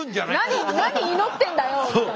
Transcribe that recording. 何何祈ってんだよみたいな。